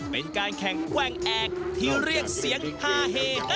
เป็นการแข่งแกว่งแอกที่เรียกเสียงฮาเฮ